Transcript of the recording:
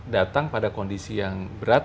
datang pada kondisi yang berat